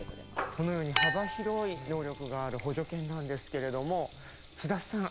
このように幅広い能力がある補助犬なんですけれども津田さん